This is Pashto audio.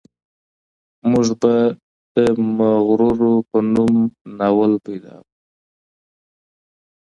موږ به د مفرور په نوم ناول پیدا کړو.